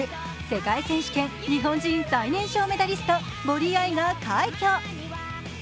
世界選手権日本人最年少メダリスト、森秋彩が快挙。